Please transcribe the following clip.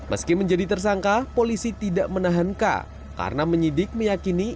meski menjadi tersangka polisi tidak menahankan karena menyidik meyakini